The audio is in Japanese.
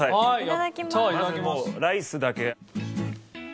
まずライスだけ。